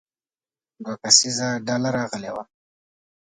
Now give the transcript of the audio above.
دوه کسیزه ډله راغلې وه.